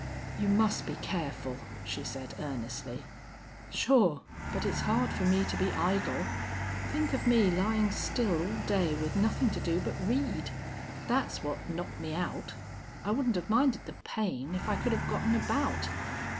"You must be careful," she said, earnestly. "Sure. But it's hard for me to be idle. Think of me lying still all day with nothing to do but read! That's what knocked me out. I wouldn't have minded the pain if I could have gotten about....